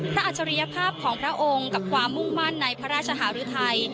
อัจฉริยภาพของพระองค์กับความมุ่งมั่นในพระราชหารุทัย